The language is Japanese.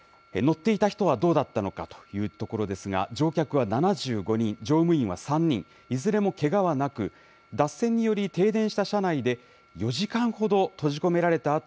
乗っていた人はどうだったのかというところですが乗客は７５人、乗務員は３人、いずれもけがはなく、脱線により停電した車内で４時間ほど閉じ込められた